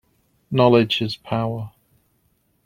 Knowledge is power.